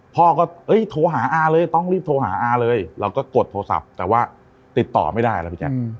พ่อก็โทรหาอาเลยต้องรีบโทรหาอาเลยเราก็กดโทรศัพท์แต่ว่าติดต่อไม่ได้แล้วพี่แจ๊ค